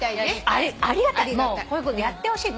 ありがたい。